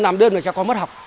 nằm đêm là trẻ con mất học